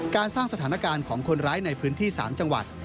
สร้างสถานการณ์ของคนร้ายในพื้นที่๓จังหวัด